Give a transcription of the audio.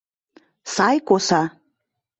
Сай коса...